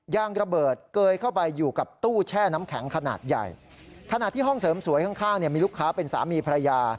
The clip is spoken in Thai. ยางระเบิดเกยเข้าไปอยู่กับตู้แช่น้ำแข็งขนาดใหญ่ขณะที่ห้องเสริมสวยข้างข้างเนี่ยมีลูกค้าเป็นสามีภรรยา